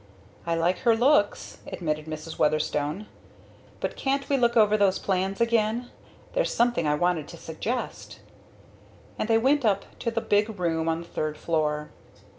"I like her looks," admitted Mrs. Weatherstone, "but can't we look over those plans again; there's something I wanted to suggest." And they went up to the big room on the third floor.